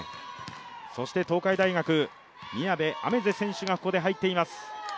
そして東海大学、宮部愛芽世選手がここで入っています。